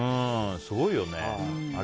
すごいよね。